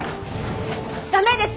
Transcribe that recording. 駄目ですよ！